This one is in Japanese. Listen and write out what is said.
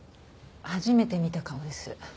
初めて見た顔です。